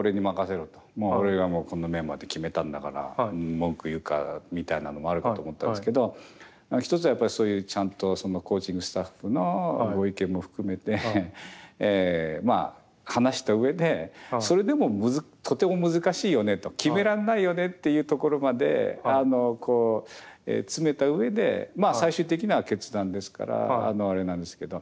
「俺がこのメンバーで決めたんだから文句言うか」みたいなのもあるかと思ったんですけど一つはやっぱりそういうちゃんとコーチングスタッフのご意見も含めて話した上でそれでもとても難しいよねと決められないよねっていうところまで詰めた上で最終的な決断ですからあれなんですけど。